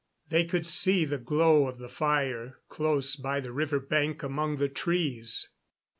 They could see the glow of the fire, close by the river bank among the trees.